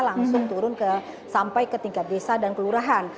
langsung turun sampai ke tingkat desa dan kelurahan